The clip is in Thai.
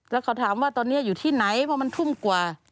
แล้วเขาถามว่าตอนนี้อยู่ที่ไหนเพราะมันทุ่มกว่า